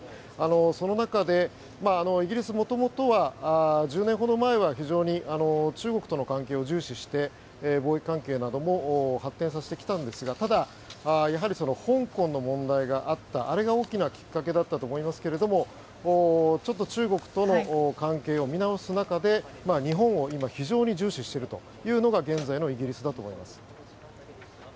その中でイギリス、元々は１０年ほど前は非常に中国との関係を重視して貿易関係なども発展させてきたんですがただ、やはり香港の問題があったあれが大きなきっかけだったと思いますけどもちょっと中国との関係を見直す中で日本を今非常に重視しているというのが現在のイギリスだと思います。